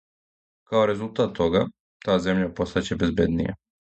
Као резултат тога, та земља постаће безбеднија.